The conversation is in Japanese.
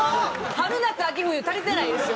春夏秋冬足りてないですよ。